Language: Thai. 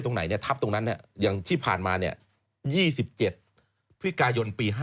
ที่ผ่านมา๒๗ภิกายลปี๕๗